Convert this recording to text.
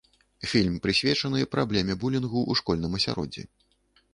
Фільм прысвечаны праблеме булінгу ў школьным асяроддзі.